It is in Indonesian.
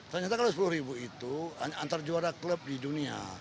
ternyata kalau sepuluh ribu itu antar juara klub di dunia